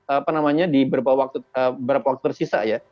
apa namanya di beberapa waktu tersisa ya